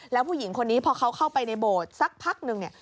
แล้วผู้หญิงคนนี้พอเขาเข้าไปในโบสถ์สักพักนึงเนี่ย